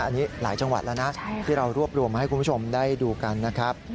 อันนี้หลายจังหวัดแล้วนะที่เรารวบรวมมาให้คุณผู้ชมได้ดูกันนะครับ